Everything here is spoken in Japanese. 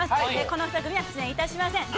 この二組は出演いたしません